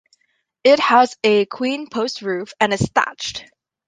It has a queen post roof and is thatched.